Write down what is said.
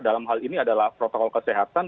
dalam hal ini adalah protokol kesehatan